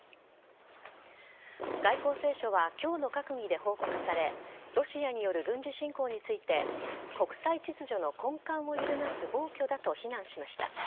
外交青書は今日の閣議で報告されロシアによる軍事侵攻について国際秩序の根幹を揺るがす暴挙だと非難しました。